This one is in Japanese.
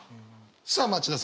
さあ町田さん